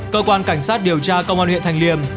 cơ quan cảnh sát điều tra công an huyện thanh liêm